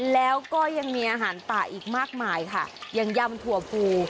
แล้วก็ยังมีอาหารป่าอีกมากมายค่ะอย่างยำถั่วฟู